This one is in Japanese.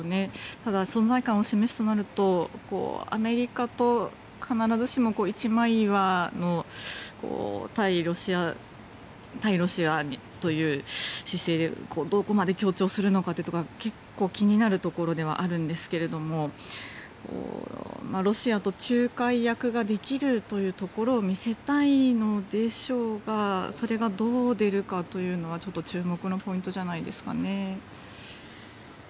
ただ、存在感を示すとなるとアメリカと必ずしも一枚岩で対ロシアという姿勢でどこまで協調するかは結構気になるところではあるんですけどもロシアと仲介役ができるというところを見せたいのでしょうがそれがどう出るかというのはちょっと注目のポイントじゃないですかね。